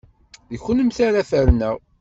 D kennemti ara ferneɣ!